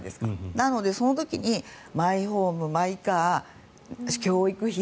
なので、その時にマイホームマイカー、教育費。